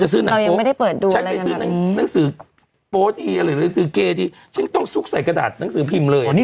มันยึดเหนี่ยวจิตใจ